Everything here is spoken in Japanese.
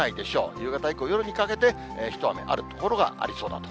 夕方以降、夜にかけて、一雨ある所がありそうだと。